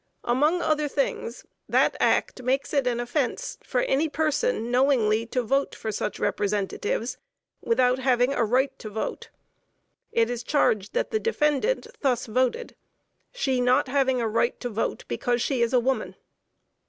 Among other things, that Act makes it an offence for any person knowingly to vote for such Representatives without having a right to vote. It is charged that the defendant thus voted, she not having a right to vote because she is a woman.